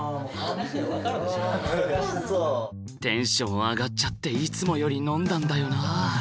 テンション上がっちゃっていつもより飲んだんだよな。